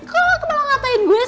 kenapa kamu mengatakan aku